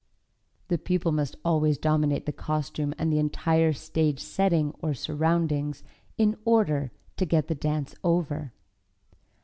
The pupil must always dominate the costume and the entire stage setting or surroundings in order to get the dance over.